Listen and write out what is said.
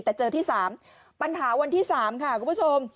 แต่เจอที่๓ปัญหาวันที่๓ค่ะคุณผู้ชม